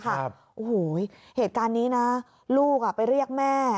โอ้โหเหตุการณ์นี้นะลูกไปเรียกแม่